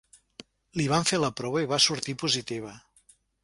Li van fer la prova i va sortir positiva.